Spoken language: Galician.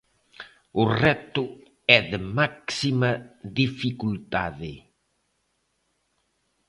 O reto é de máxima dificultade.